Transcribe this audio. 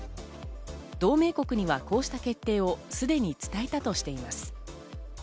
同盟国にはこうした決定をすでに伝えたとしています。